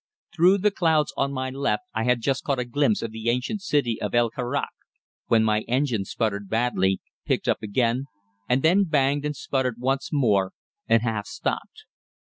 Through the clouds on my left I had just caught a glimpse of the ancient city of El Karak, when my engine sputtered badly, picked up again, and then banged and sputtered once more and half stopped.